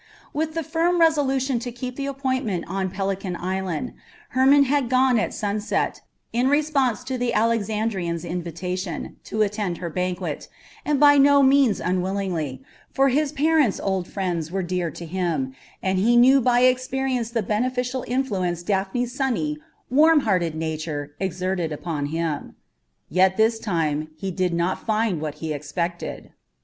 With the firm resolution to keep the appointment on Pelican Island, Hermon had gone at sunset, in response to the Alexandrian's invitation, to attend her banquet, and by no means unwillingly, for his parents' old friends were dear to him, and he knew by experience the beneficial influence Daphne's sunny, warmhearted nature exerted upon him. Yet this time he did not find what he expected.